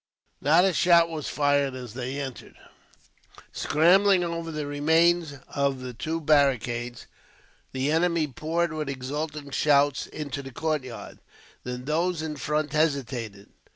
Not a shot was fired, as they entered. Scrambling over the remains of the two barricades, the enemy poured with exulting shouts into the courtyard. Then those in front hesitated.